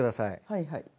はいはい。